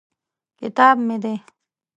کتاب مې دی.